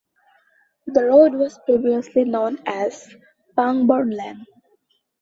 The road was previously known as "Pangbourne Lane".